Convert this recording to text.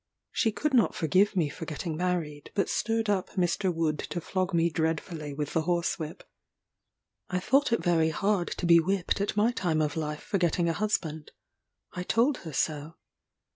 She could not forgive me for getting married, but stirred up Mr. Wood to flog me dreadfully with the horsewhip. I thought it very hard to be whipped at my time of life for getting a husband I told her so.